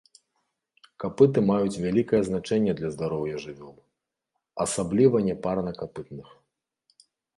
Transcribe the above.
Капыты маюць вялікае значэнне для здароўя жывёл, асабліва няпарнакапытных.